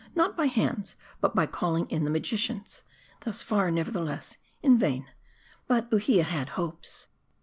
Not by hands, but by calling in the magicians. Thus far, nevertheless, in vain. But Uhia had hopes.